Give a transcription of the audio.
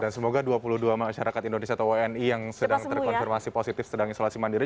dan semoga dua puluh dua masyarakat indonesia atau wni yang sedang terkonfirmasi positif sedang isolasi mandiri